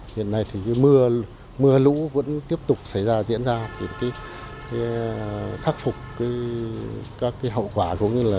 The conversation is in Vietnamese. hiện nay thì mưa mưa lũ vẫn tiếp tục xảy ra diễn ra thì khắc phục các hậu quả vốn như là